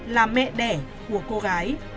là mẹ đẻ của cô gái